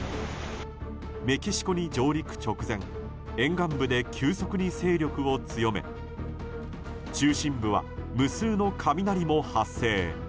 メキシコ上陸直前沿岸部で急速に勢力を強め中心部は無数の雷も発生。